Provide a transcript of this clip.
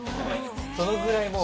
そのぐらいもう。